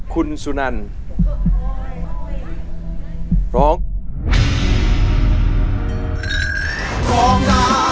คุณสุนันร้อง